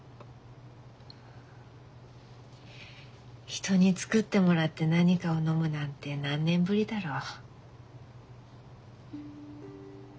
人に作ってもらって何かを飲むなんて何年ぶりだろう。